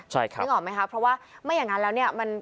ใช่ครับนึกออกไหมคะเพราะว่าไม่อย่างนั้นแล้วเนี่ย